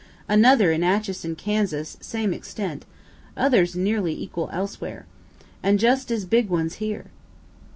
Another in Atchison, Kansas, same extent; others nearly equal elsewhere. And just as big ones here.)